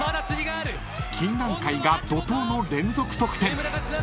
［金蘭会が怒濤の連続得点］